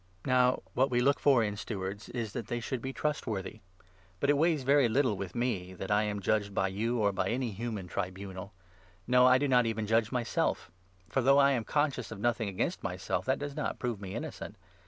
Now what we look for in 2 19 Job 5. jj, 13. *> Ps. 94. xi. I. CORINTHIANS, 4. 313 stewards is that they should be trustworthy. But it weighs 3 very little with me that I am judged by you or by any human tribunal. No, I do not even judge myself ; for, though I am 4 conscious of nothing against myself, that does not prove me innocent.